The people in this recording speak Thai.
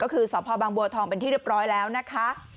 ก็คือสพบางบัวทองเป็นที่เรียบร้อยแล้วนะคะ